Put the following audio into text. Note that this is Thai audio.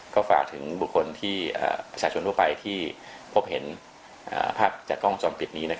ก็ฝากถึงบุคคลที่ประชาชนทั่วไปที่พบเห็นภาพจากกล้องวงจรปิดนี้